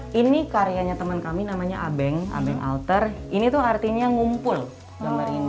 ini karyanya teman kami namanya abeng abeng alter ini tuh artinya ngumpul gambar ini